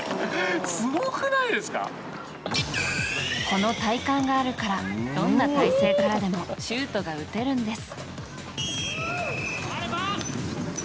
この体幹があるからどんな体勢からでもシュートが打てるんです。